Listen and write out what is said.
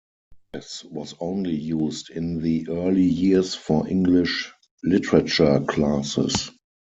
This was only used in the early years for English Literature classes.